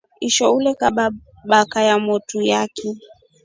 Isho ulekaba baka yamotru yaiki.